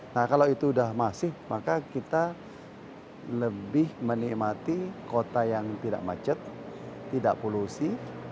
nah kalau itu sudah masif maka kita lebih menikmati kota yang tidak macet tidak polusi